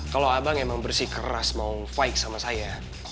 kalau abang emang bersih keras mau fight sama saya